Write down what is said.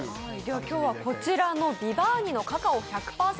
今日はこちらのヴィヴァーニのカカオ１００％